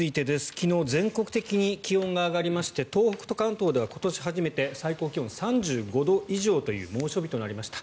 昨日、全国的に気温が上がりまして東北と関東では今年初めて最高気温３５度以上という猛暑日となりました。